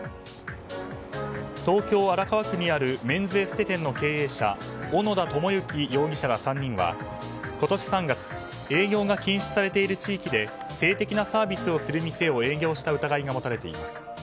東京・荒川区にあるメンズエステ店の経営者小野田知之容疑者ら３人は今年３月営業が禁止されている地域で性的なサービスをする店を営業した疑いが持たれています。